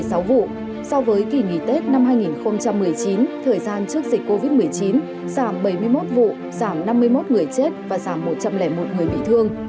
so với kỳ nghỉ tết năm hai nghìn một mươi chín thời gian trước dịch covid một mươi chín giảm bảy mươi một vụ giảm năm mươi một người chết và giảm một trăm linh một người bị thương